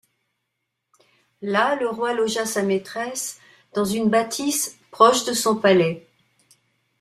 Là, le Roi logea sa maîtresse dans une bâtisse proche de son palais.